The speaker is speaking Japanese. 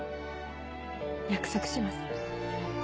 約束します。